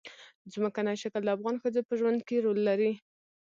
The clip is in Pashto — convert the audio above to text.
ځمکنی شکل د افغان ښځو په ژوند کې رول لري.